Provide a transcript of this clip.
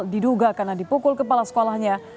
diduga karena dipukul kepala sekolahnya